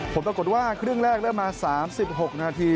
ผลปรากฏว่าครึ่งแรกได้มา๓๖นาที